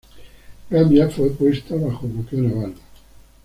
Gambia fue puesta bajo bloqueo naval.